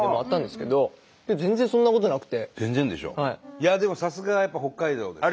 いやでもさすがやっぱ北海道ですね。